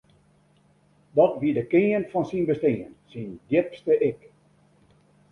Dat wie de kearn fan syn bestean, syn djipste ik.